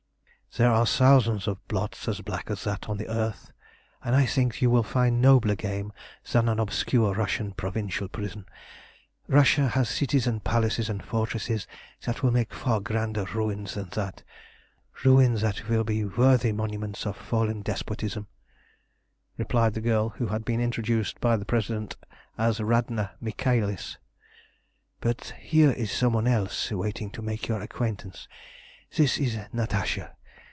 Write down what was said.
"There are thousands of blots as black as that on earth, and I think you will find nobler game than an obscure Russian provincial prison. Russia has cities and palaces and fortresses that will make far grander ruins than that ruins that will be worthy monuments of fallen despotism," replied the girl, who had been introduced by the President as Radna Michaelis. "But here is some one else waiting to make your acquaintance. This is Natasha.